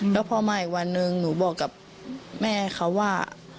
แล้วพอมาอีกวันหนึ่งหนูบอกกับแม่เขาว่า